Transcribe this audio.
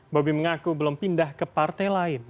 bobi mengaku belum pindah ke partai lain